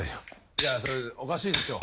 いやそれおかしいでしょ。